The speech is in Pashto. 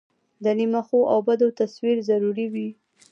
د نیمه ښو او بدو تصویر ضروري وي.